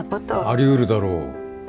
ありうるだろう。